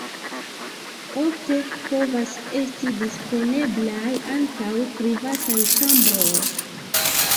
Ofte povas esti disponeblaj ankaŭ privataj ĉambroj.